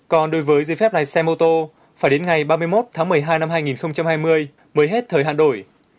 còn đối với giấy phép lái xe mô tô phải đến ngày ba mươi một tháng một mươi hai năm hai nghìn hai mươi mới hết thời hạn đổi